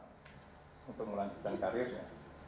untuk melanjutkan karirnya